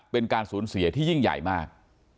เป็นการสูญเสียที่ยิ่งใหญ่มาก